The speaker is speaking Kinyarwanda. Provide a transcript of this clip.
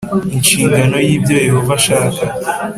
inshingano y Ibyo Yehova ashaka